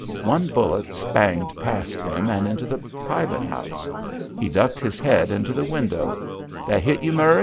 One bullet spanged past him and into the pilot house. He ducked his head into the window. "That hit you, Murry?"